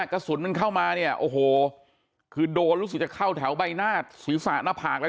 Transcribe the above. ถ้าสุดมันเข้ามาเนี่ยโอ้โหคือโดนรู้สึกจะเข้าแถวใบหน้าสุริยศาสตร์หน้าผากเลย